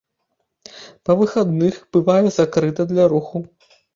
Па выхадных бывае закрыта для руху.